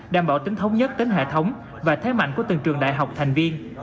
đảm bảo tính thống nhất tính hệ thống và thế mạnh của từng trường đại học thành viên